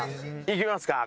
行きますか？